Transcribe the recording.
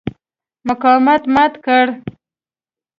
مقاومت مات کړ.